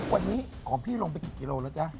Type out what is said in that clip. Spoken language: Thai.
วันนี้ของพี่ลงไปกี่กิโลแล้วจ๊ะ